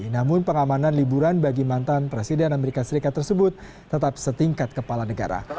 namun pengamanan liburan bagi mantan presiden amerika serikat tersebut tetap setingkat kepala negara